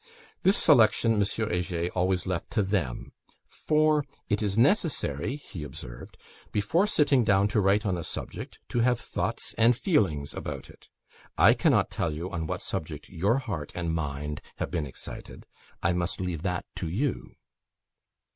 This selection M. Heger always left to them; for "it is necessary," he observed, "before sitting down to write on a subject, to have thoughts and feelings about it. I cannot tell on what subject your heart and mind have been excited. I must leave that to you."